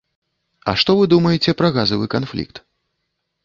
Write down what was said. А што вы думаеце пра газавы канфлікт?